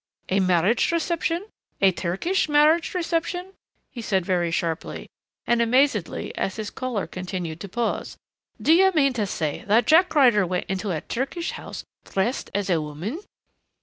"A marriage reception a Turkish marriage reception?" he said very sharply and amazedly as his caller continued to pause. "Do you mean to say that Jack Ryder went into a Turkish house dressed as a woman